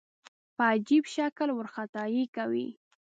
په عجیب شکل وارخطايي کوي.